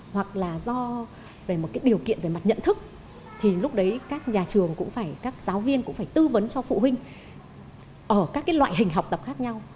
hoặc là do về một cái điều kiện về mặt nhận thức thì lúc đấy các nhà trường cũng phải các giáo viên cũng phải tư vấn cho phụ huynh ở các loại hình học tập khác nhau